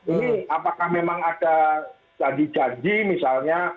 ini apakah memang ada jadi janji misalnya